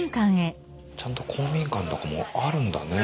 ちゃんと公民館とかもあるんだね。